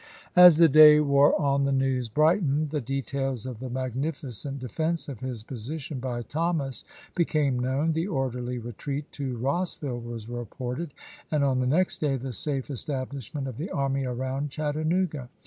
As the day wore on the news brightened ; the details of the magnificent defense of his posi tion by Thomas became known, the orderly retreat to Rossville was reported, and on the next da\^ the safe establishment of the army around Chattanooga.